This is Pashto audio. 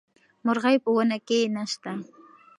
مرغۍ په ونه کې نه شته.